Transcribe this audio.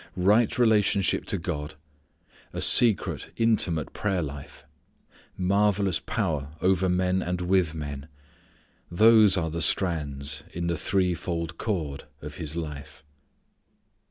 Right relationship to God; a secret intimate prayer life: marvellous power over men and with men those are the strands in the threefold cord of His life.